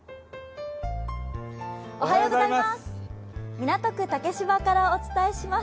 ⁉港区竹芝からお伝えします。